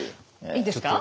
いいですか？